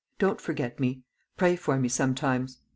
Don't forget me.... Pray for me sometimes."